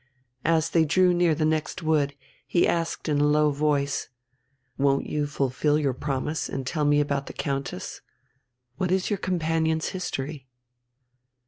As they drew near the next wood, he asked in a low voice: "Won't you fulfil your promise and tell me about the Countess? What is your companion's history?"